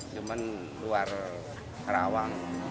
cuman luar rawang